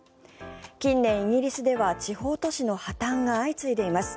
近年、イギリスでは地方都市の破たんが相次いでいます。